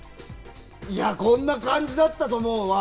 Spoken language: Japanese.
こんな感じだったと思うわ！